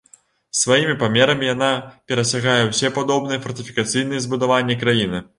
Сваімі памерамі яна перасягае ўсе падобныя фартыфікацыйныя збудаванні краіны.